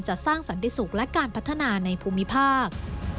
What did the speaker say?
จะสร้างสันติสุขและการพัฒนาในภูมิภาค